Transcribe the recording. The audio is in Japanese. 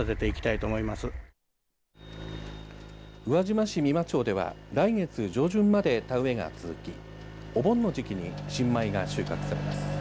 宇和島市三間町では来月上旬まで田植えが続き、お盆の時期に新米が収穫されます。